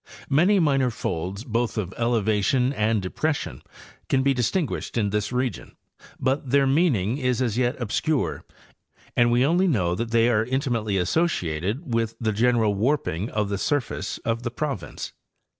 Many minor folds both of elevation and depression can be distinguished in this region, but their mean ing is as yet obscure and we only know that they are intimately associated with the general warping of the surface of the proy ince.